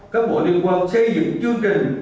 các bộ liên quan xây dựng chương trình